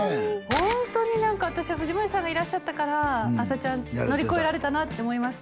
ホントに何か私は藤森さんがいらっしゃったから「あさチャン！」乗り越えられたなって思います